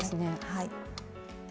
はい。